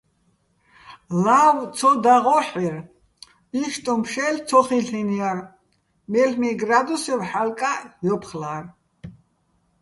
ლავ დაღო́ჰ̦ერ, იშტუჼ ფშელ ცო ხილ'ეჼჲარ, მელ'მი გრა́დუსევ ჰ̦ალკა́ჸ ჲოფხლა́რ.